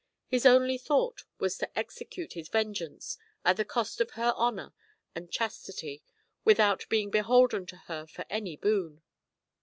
His only thought was to execute his vengeance at the cost of her honour and chastity without being beholden to her for any boon.